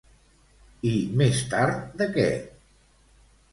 I més tard de què?